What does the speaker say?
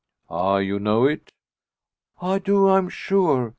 "Ah! you know it?" "I do am sure.